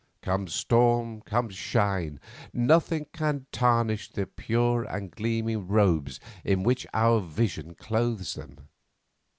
Come storm, come shine, nothing can tarnish the pure and gleaming robes in which our vision clothes them.